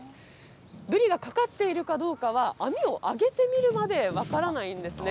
ブリがかかっているかどうかは、網を上げてみるまで分からないんですね。